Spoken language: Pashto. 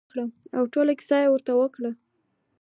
او ټوله کېسه يې ورته وکړه.